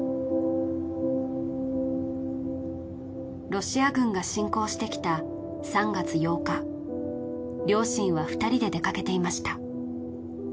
ロシア軍が侵攻してきた３月８日両親は２人で出かけていました